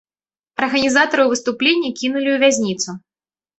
Арганізатараў выступлення кінулі ў вязніцу.